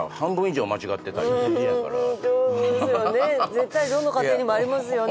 絶対どの家庭にもありますよね